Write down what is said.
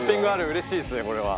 うれしいですねこれは。